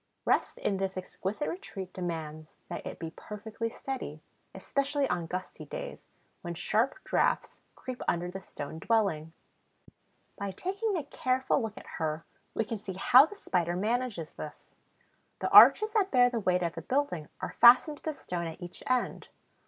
Rest in this exquisite retreat demands that it be perfectly steady, especially on gusty days, when sharp draughts creep under the stone dwelling. By taking a careful look at her we can see how the Spider manages this. The arches that bear the weight of the building are fastened to the stone at each end.